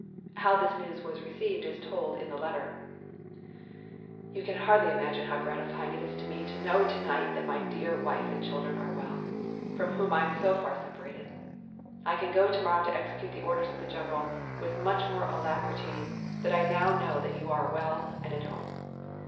How this news was received is told in the letter: "You can hardly imagine how gratifying it is to me to know to night that my dear wife and children are well, from whom I am so far separated. I can go to morrow to execute the orders of the general with much more alacrity that I now know that you are well and at home.